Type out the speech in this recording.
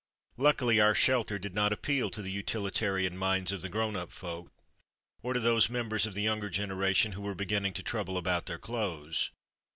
Luckily our shelter did not appeal to the utilitarian minds of the grown up folk or to those members of the younger generation who were beginning to trouble about their clothes.